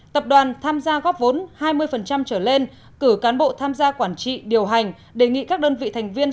tập đoàn tham gia góp vốn hai mươi trở lên cử cán bộ tham gia quản trị điều hành đề nghị các đơn vị thành viên